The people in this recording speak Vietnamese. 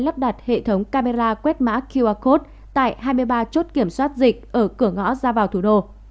lắp đặt hệ thống camera quét mã qr code tại hai mươi ba chốt kiểm soát dịch ở cửa ngõ ra vào thủ đô